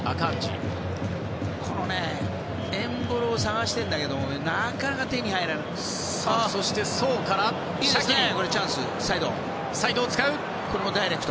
エンボロを探してるんだけどなかなか見つからない。